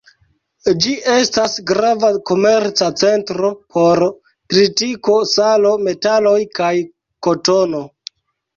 Ĝi estas grava komerca centro por tritiko, salo, metaloj kaj kotono.